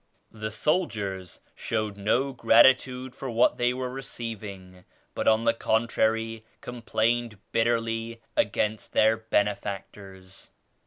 The soldiers showed no gratitude for what they were receiving but on the contrary complained bitterly against their benefactors.